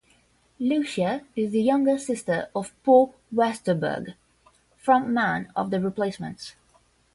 Lucia is the younger sister of Paul Westerberg, front man of The Replacements.